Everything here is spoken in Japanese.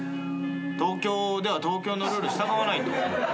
東京では東京のルールに従わないと。